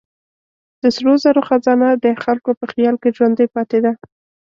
د سرو زرو خزانه د خلکو په خیال کې ژوندۍ پاتې ده.